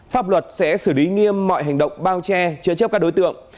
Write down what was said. pháp luật sẽ xử lý nghiêm mọi hành động bao che chế chấp các đối tượng